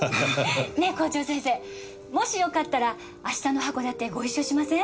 ねえ校長先生もしよかったら明日の函館ご一緒しません？